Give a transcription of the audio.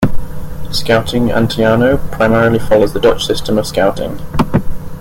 "Scouting Antiano" primarily follows the Dutch system of Scouting.